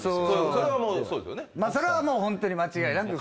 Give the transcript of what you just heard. それはもうホントに間違いなく。